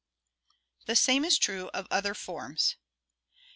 The same is true of other forms.